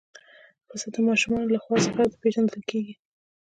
پسه د ماشومانو لخوا زغرده پېژندل کېږي.